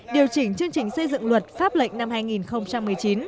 điều chỉnh chương trình xây dựng luật pháp lệnh năm hai nghìn một mươi chín